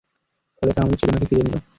ফলে তা আমার চেতনাকে ফিরিয়ে নিল।